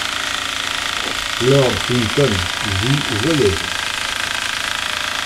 Lord Clinton Vie joyeuse !